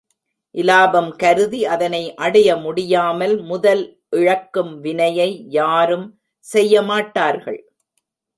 இலாபம் கருதி அதனை அடைய முடியாமல் முதல் இழக்கும் வினையை யாரும் செய்ய மாட்டார்கள்.